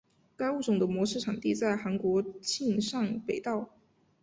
该物种的模式产地在韩国庆尚北道。